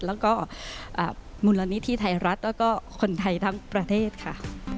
แล้วก็มูลนิธิไทยรัฐแล้วก็คนไทยทั้งประเทศค่ะ